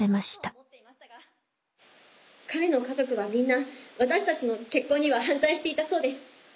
彼の家族はみんな私たちの結婚には反対していたそうです。